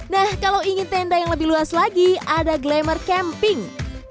nah kalau ingin tenda yang lebih luas lagi ada glamour camping